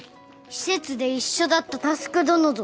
施設で一緒だった佑どのぞ。